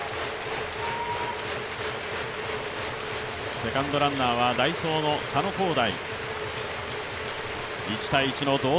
セカンドランナーは代走の佐野皓大。